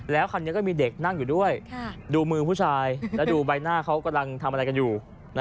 คันนี้ก็มีเด็กนั่งอยู่ด้วยดูมือผู้ชายแล้วดูใบหน้าเขากำลังทำอะไรกันอยู่